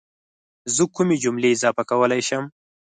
زه کومې جملې اضافه کولی شم